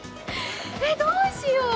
えっどうしよう？